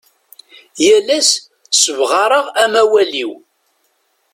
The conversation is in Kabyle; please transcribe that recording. Yal ass sebɣareɣ amawal-iw.